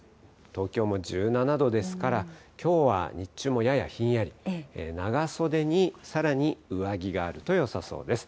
東京も１７度ですから、きょうは日中もややひんやり、長袖にさらに上着があるとよさそうです。